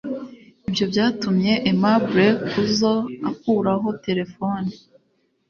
Ibyo byatumye Aimable Kuzo akuraho terefone